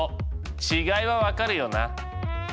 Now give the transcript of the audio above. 違いは分かるよな？